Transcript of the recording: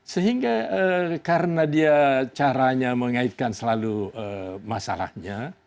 sehingga karena dia caranya mengaitkan selalu masalahnya